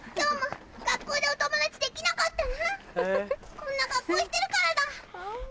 こんな格好してるからだ。